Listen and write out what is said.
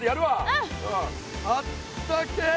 うんあったけえ！